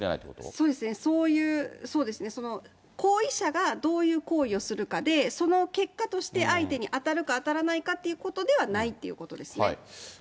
そうですね、そういう、行為者がどういう行為をするかで、その結果として相手に当たるか当たらないかということではないということですね。